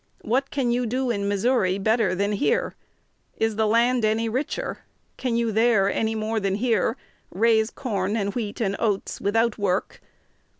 What can you do in Missouri better than here? Is the land any richer? Can you there, any more than here, raise corn and wheat and oats without work?